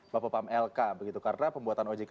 bapak bapak mlk karena pembuatan ojk